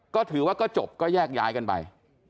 ก็ถือว่าก็จบก็แยกย้ายกันไป